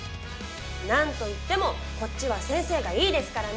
何といってもこっちは先生がいいですからね！